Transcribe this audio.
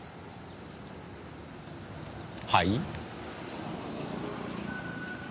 はい？